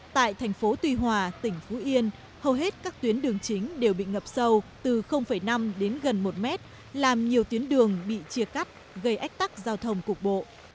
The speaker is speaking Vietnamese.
tại thành phố tuy hòa tỉnh phú yên hầu hết các tuyến đường chính đều bị ngập sâu từ năm đến gần một mét làm nhiều tuyến đường bị chia cắt gây ách tắc giao thông cục bộ